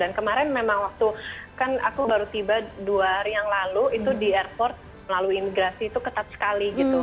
kemarin memang waktu kan aku baru tiba dua hari yang lalu itu di airport melalui imigrasi itu ketat sekali gitu